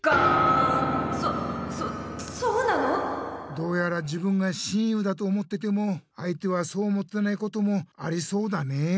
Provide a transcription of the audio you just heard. どうやら自分が親友だと思ってても相手はそう思ってないこともありそうだねえ。